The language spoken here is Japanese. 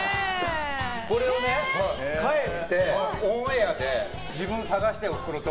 これを帰ってオンエアで自分を探して、おふくろと。